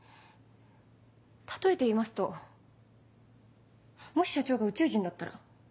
例えて言いますともし社長が宇宙人だったら。